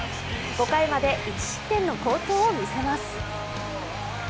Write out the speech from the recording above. ５回まで１失点の好投を見せます。